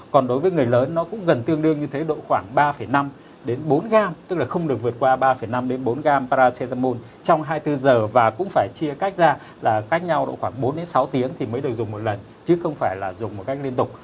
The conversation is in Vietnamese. còn đối với người lớn nó cũng gần tương đương như thế độ khoảng ba năm đến bốn gram tức là không được vượt qua ba năm đến bốn gam paracetamol trong hai mươi bốn giờ và cũng phải chia cách ra là cách nhau độ khoảng bốn sáu tiếng thì mới được dùng một lần chứ không phải là dùng một cách liên tục